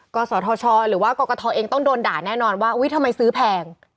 กศธชหรือว่ากรกฐเองต้องโดนด่าแน่นอนว่าอุ๊ยทำไมซื้อแพง